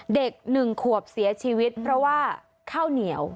เด็ก๑ขวบเสียชีวิตเพราะว่าข้าวเหนียว